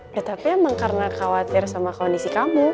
ya tapi emang karena khawatir sama kondisi kamu